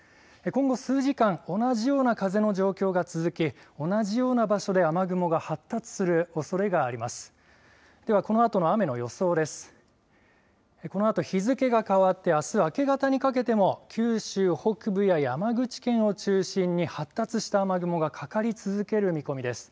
今後、数時間同じような風の状況が続き同じような場所で雨雲が発達するおそれがあります。